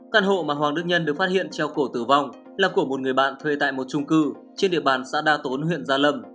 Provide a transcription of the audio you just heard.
căn hộ mà hoàng đức nhân được phát hiện treo cổ tử vong là của một người bạn thuê tại một trung cư trên địa bàn xã đa tốn huyện gia lâm